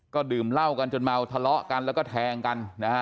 ก็ดื่มเหล้ากันจนเมาทะเลาะกันแล้วก็แทงกันนะฮะ